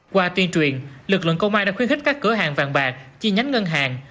qua tuyên truyền lực lượng công an đã khuyến khích các cửa hàng vàng bạc chi nhánh ngân hàng